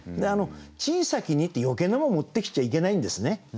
「小さき荷」って余計なもん持ってきちゃいけないんですね。